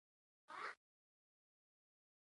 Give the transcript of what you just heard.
صفویان په اصل کې شیخ صفي الدین اردبیلي ته منسوب دي.